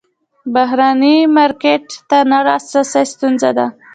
بهرني مارکیټ ته نه لاسرسی ستونزه ده.